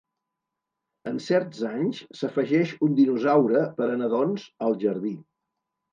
En certs anys, s'afegeix un dinosaure per a nadons al jardí.